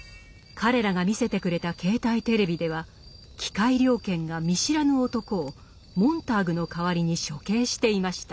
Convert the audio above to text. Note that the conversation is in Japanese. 彼らが見せてくれた携帯テレビでは機械猟犬が見知らぬ男をモンターグの代わりに処刑していました。